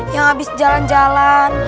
yang abis jalan jalan